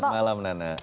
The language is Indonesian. selamat malam nana